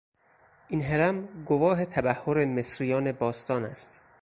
این هرم گواه تبحر مصریان باستان است.